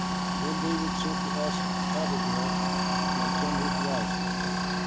Then David sent to ask Abigail to become his wife.